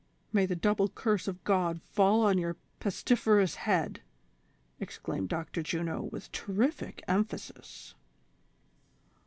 May the double curse of God fall on your pestiferous head," exclaimed Dr. Juno, with ter rific emphasis.